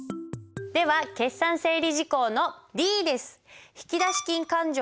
では決算整理事項のｄです。